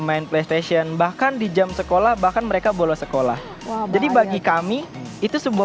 main playstation bahkan di jam sekolah bahkan mereka bolos sekolah jadi bagi kami itu sebuah